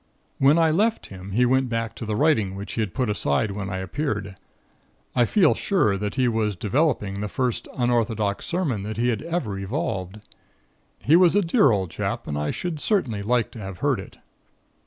"When I left him, he went back to the writing which he had put aside when I appeared. I feel sure that he was developing the first unorthodox sermon that he had ever evolved. He was a dear old chap, and I should certainly like to have heard it.